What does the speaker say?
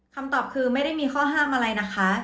คำตอบคือไม่ได้มีข้อห้ามอะไรนะคะ